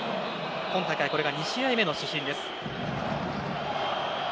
今大会これが２試合目の主審です。